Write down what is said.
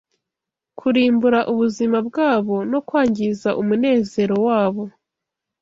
kurimbura ubuzima bwabo, no kwangiza umunezero wabo